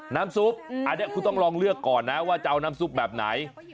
น้ำซุปอันนี้คุณต้องลองเลือกก่อนนะว่าจะเอาน้ำซุปแบบไหน